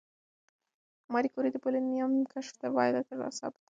ماري کوري د پولونیم کشف پایله ثبت کړه.